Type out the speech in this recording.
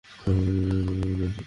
আমি নায়না জয়সওয়াল।